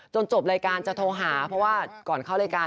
จบรายการจะโทรหาเพราะว่าก่อนเข้ารายการ